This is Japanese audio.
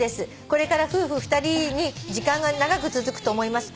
「これから夫婦２人に時間が長く続くと思います」